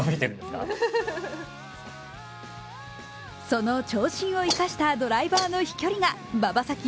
その長身を生かした、ドライバーの飛距離が馬場咲希